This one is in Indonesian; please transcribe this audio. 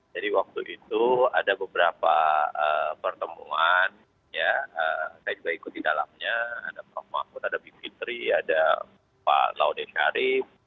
jadi waktu itu ada beberapa pertemuan saya juga ikut di dalamnya ada pak mahfud ada bipitri ada pak laude syarif